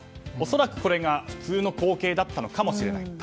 恐らくこれが普通の光景だったのかもしれない。